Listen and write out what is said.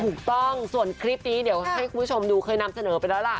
ถูกต้องส่วนคลิปนี้เดี๋ยวให้คุณผู้ชมดูเคยนำเสนอไปแล้วล่ะ